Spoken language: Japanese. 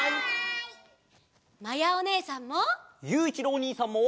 まやおねえさんも！